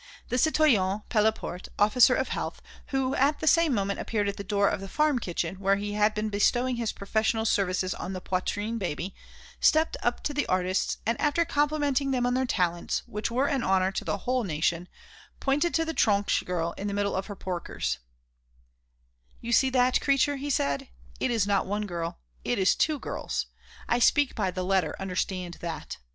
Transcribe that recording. The citoyen Pelleport, officer of health, who at the same moment appeared at the door of the farm kitchen where he had been bestowing his professional services on the Poitrine baby, stepped up to the artists and after complimenting them on their talents, which were an honour to the whole nation, pointed to the Tronche girl in the middle of her porkers: "You see that creature," he said, "it is not one girl, it is two girls. I speak by the letter, understand that.